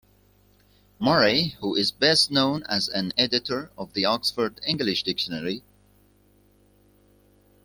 Murray who is best known as an editor of the "Oxford English Dictionary".